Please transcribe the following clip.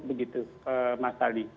begitu mas ali